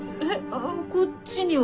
あこっちには。